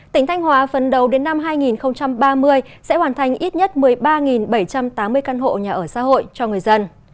tỉnh thanh hóa phần đầu đến năm hai nghìn ba mươi sẽ hoàn thành ít nhất một mươi ba bảy trăm tám mươi căn hộ nhà ở xã hội cho người dân